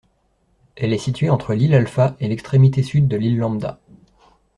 Elle est située entre l'île Alpha et l'extrémité sud de l'île Lambda.